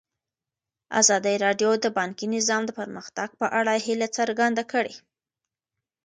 ازادي راډیو د بانکي نظام د پرمختګ په اړه هیله څرګنده کړې.